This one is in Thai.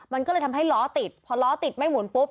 มันก็เลยทำให้ล้อติดพอล้อติดไม่หมุนปุ๊บ